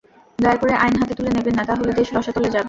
দয়া করে আইন হাতে তুলে নেবেন না, তাহলে দেশ রসাতলে যাবে।